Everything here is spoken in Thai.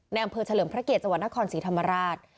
อำเภอเฉลิมพระเกียรติจังหวัดนครศรีธรรมราช